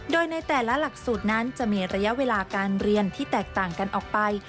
โดยในแต่ละหลักสูตรนั้นจะมีระยะเวลาการเรียนที่แตกต่างกันออกไป